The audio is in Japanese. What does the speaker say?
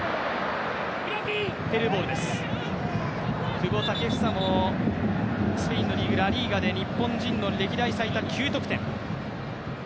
久保建英もスペインのリーグ、ラ・リーガで日本人の歴代最多９得点。